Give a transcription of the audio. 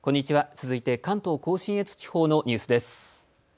続いて関東甲信越地方のニュースです。